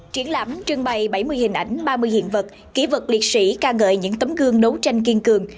triển lãm trưng bày bảy mươi hình ảnh ba mươi hiện vật kỹ vật liệt sĩ ca ngợi những tấm gương đấu tranh kiên cường